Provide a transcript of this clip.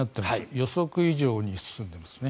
予測以上に進んでいますね。